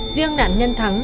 riêng nạn nhân thắng